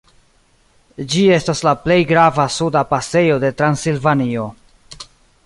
Ĝi estas la plej grava suda pasejo de Transilvanio.